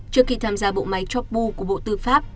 trước khi tham gia bộ máy chopu của bộ tư pháp